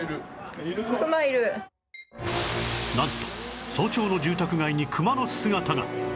なんと早朝の住宅街にクマの姿が